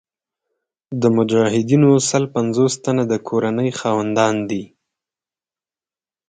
د مجاهدینو سل پنځوس تنه د کورنۍ خاوندان دي.